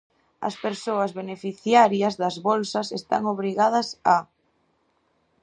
As persoas beneficiarias das bolsas están obrigadas a.